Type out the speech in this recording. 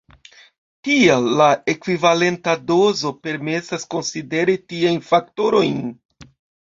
Tial la ekvivalenta dozo permesas konsideri tiajn faktorojn.